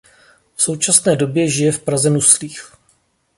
V současné době žije v Praze Nuslích.